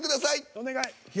お願い。